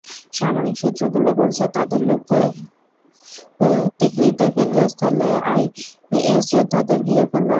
সামরিক সূত্রগুলো বলছে, তাদের লক্ষ্য তিকরিতের কেন্দ্রস্থলে আইএস যোদ্ধাদের ঘিরে ফেলা।